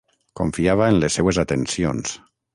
Confiava en les seues atencions.